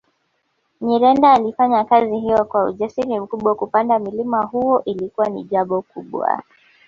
Nyirenda alifanya kazi hiyo kwa ujasiri mkubwa kupanda mlima huo ilikuwa ni jambo kubwa